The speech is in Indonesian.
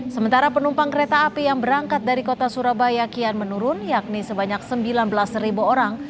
sementara penumpang kereta api yang berangkat dari kota surabaya kian menurun yakni sebanyak sembilan belas orang